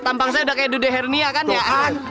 tampang saya udah kayak dede hernia kan ya kan